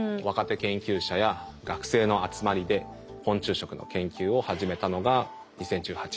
若手研究者や学生の集まりで昆虫食の研究を始めたのが２０１８年です。